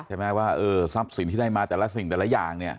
ใช่ไหมว่าเออทรัพย์สินที่ได้มาแต่ละสิ่งแต่ละอย่างเนี่ย